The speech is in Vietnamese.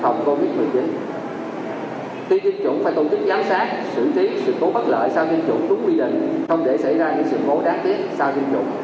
không để xảy ra sự tố đáng tiếc sau tiêm chủng